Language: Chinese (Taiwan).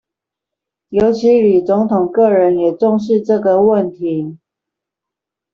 尤其李總統個人也重視這個問題